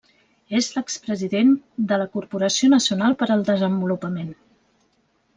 És l'expresident de la Corporació Nacional per al Desenvolupament.